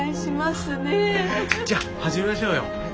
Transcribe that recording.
じゃあ始めましょうよ。